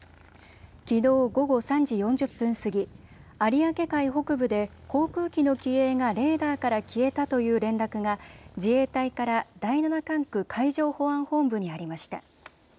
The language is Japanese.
きのう午後３時４０分過ぎ有明海北部で航空機の機影がレーダーから消えたという連絡が自衛隊から第７管区海上保安本部にありました。